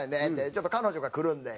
「ちょっと彼女が来るんで」